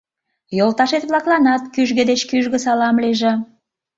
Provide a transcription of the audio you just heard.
Йолташет-влакланат кӱжгӧ деч кӱжгӧ салам лийже!